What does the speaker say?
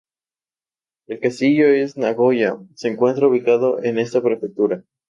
El Castillo de Nagoya se encuentra ubicado en esta prefectura.